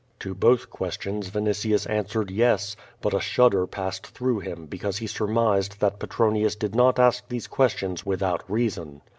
To both questions Vinitius answered yes, but a shudder passed through him, because he surmised that Petronius did not ask these questions without reason.